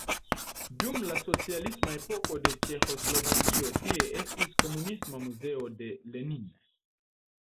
Dum la socialisma epoko de Ĉeĥoslovakio tie estis komunisma muzeo de Lenin.